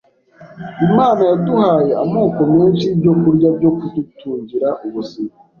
Imana yaduhaye amoko menshi y’ibyokurya byo kudutungira ubuzima